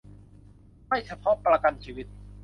ไม่เฉพาะประกันชีวิต